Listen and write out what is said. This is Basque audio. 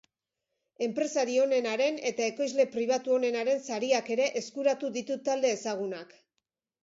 Enpresari onenaren eta ekoizle pribatu onenaren sariak ere eskuratu ditu talde ezagunak.